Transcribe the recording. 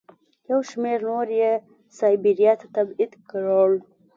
یو شمېر نور یې سایبریا ته تبعید کړل.